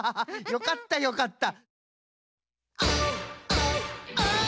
よかったよかった。